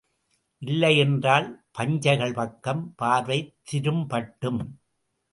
இல்லையென்றால், பஞ்சைகள் பக்கம் பார்வை திரும் பட்டும்.